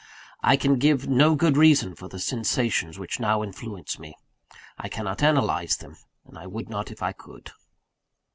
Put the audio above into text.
I can give no good reason for the sensations which now influence me; I cannot analyse them; and I would not if I could.